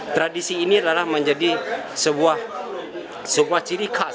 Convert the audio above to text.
tradisi ini adalah menjadi sebuah ciri khas